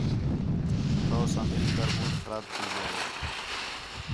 تَو ساں مِل کر مُوڈ خراب تھی ڳِیا ہے